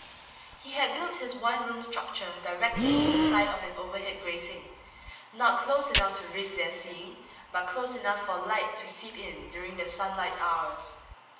He had built his one room structure directly to the side of an overhead grating not close enough to risk their seeing it, but close enough for light to seep in during the sunlight hours.